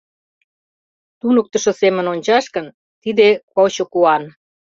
Туныктышо семын ончаш гын, тиде — кочо куан.